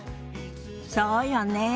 そうよねえ。